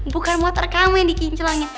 bukan motor kamu yang di kinclong ya